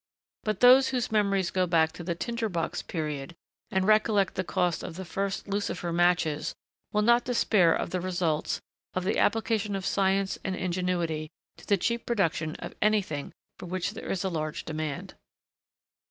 But those whose memories go back to the tinder box period, and recollect the cost of the first lucifer matches, will not despair of the results of the application of science and ingenuity to the cheap production of anything for which there is a large demand.